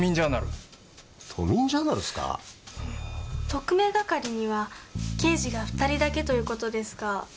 特命係には刑事が２人だけということですが。